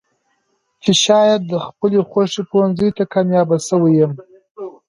چې شايد د خپلې خوښې پوهنځۍ ته کاميابه شوې يم.